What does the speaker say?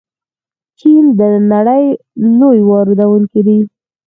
چین د نړۍ لوی واردونکی دی.